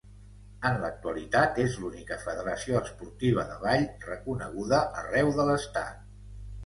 En l’actualitat és l’única federació esportiva de ball reconeguda arreu de l’Estat.